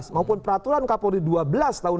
maupun peraturan kapolri dua belas tahun dua ribu